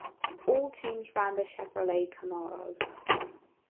All teams ran the Chevrolet Camaro.